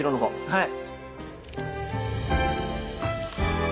はい。